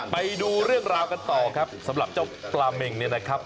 ไปดูเรื่องราวกันต่อครับสำหรับเจ้าปลาเมงเนี่ยนะครับ